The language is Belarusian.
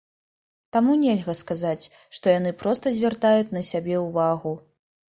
Таму нельга сказаць, што яны проста звяртаюць на сябе ўвагу.